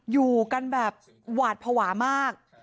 อยู่กันแบบหวาดภาวะมาก